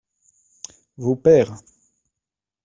Vos pères.